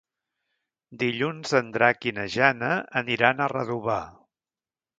Dilluns en Drac i na Jana aniran a Redovà.